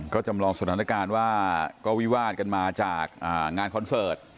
ก็จำลองสถานการณ์ว่าก็วิวาดกันมาจากงานคอนเสิร์ต